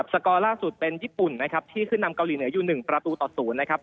สกอร์ล่าสุดเป็นญี่ปุ่นนะครับที่ขึ้นนำเกาหลีเหนืออยู่๑ประตูต่อ๐นะครับ